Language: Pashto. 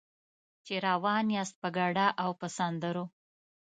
چې روان یاست په ګډا او په سندرو.